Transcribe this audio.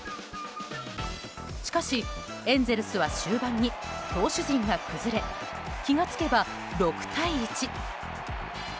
しかしエンゼルスは終盤に投手陣が崩れ気が付けば６対１。